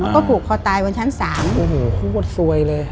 ก็ผูกคอตายบนชั้น๓โอ้โหโคตรซวยเลย